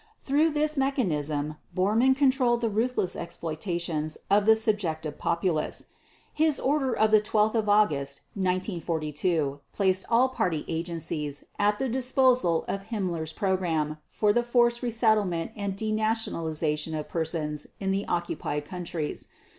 Through this mechanism Bormann controlled the ruthless exploitations of the subjected populace. His order of 12 August 1942 placed all Party agencies at the disposal of Himmler's program for forced resettlement and denationalization of persons in the occupied countries.